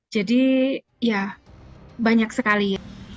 jadi ya banyak sekali